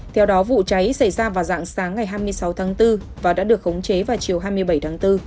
theo đó vụ cháy xảy ra vào dạng sáng ngày hai mươi sáu tháng bốn và đã được khống chế vào chiều hai mươi bảy tháng bốn